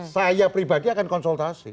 saya pribadi akan konsultasi